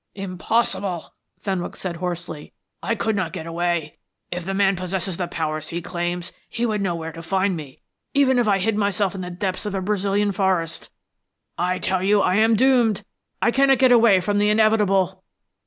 "Impossible," Fenwick said hoarsely. "I could not get away. If the man possesses the powers he claims he would know where to find me, even if I hid myself in the depths of a Brazilian forest. I tell you I am doomed. I cannot get away from the inevitable."